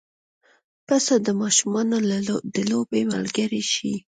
پسه د ماشومانو د لوبې ملګری شي.